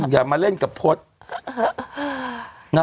อย่ามาเล่นกับพจน์